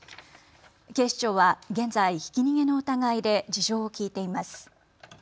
警視庁は現在、ひき逃げの疑いで事情を聴いています。